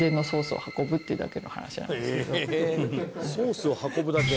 「ソースを運ぶだけ？」